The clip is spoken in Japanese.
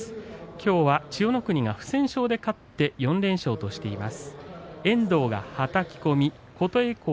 きょうは千代の国が不戦勝で勝って４連勝としています。